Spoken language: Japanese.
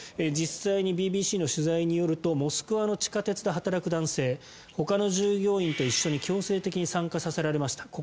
実際にＢＢＣの取材によるとモスクワの地下鉄で働く男性ほかの従業員と一緒に強制的に参加させられました。